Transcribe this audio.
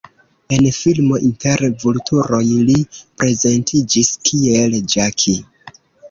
En filmo Inter vulturoj li prezentiĝis kiel Jackie.